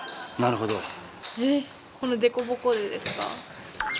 この凸凹でですか？